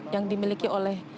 yang dimiliki oleh